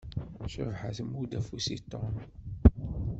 Cabḥa tmudd afus i Tom.